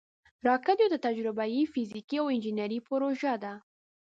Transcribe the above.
راکټ یوه تجربهاي، فزیکي او انجینري پروژه ده